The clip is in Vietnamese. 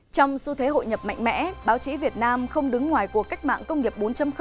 trong xu thế hội nhập mạnh mẽ báo chí việt nam không đứng ngoài cuộc cách mạng công nghiệp bốn